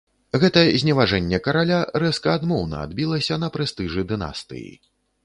Гэта зневажэнне караля рэзка адмоўна адбілася на прэстыжы дынастыі.